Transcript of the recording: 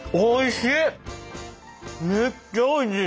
めっちゃおいしい。